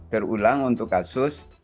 terulang untuk kasus